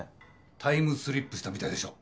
タイムスリップしたみたいでしょ？